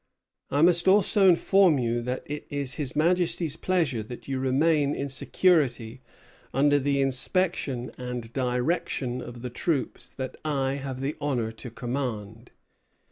I must also inform you that it is His Majesty's pleasure that you remain in security under the inspection and direction of the troops that I have the honor to command.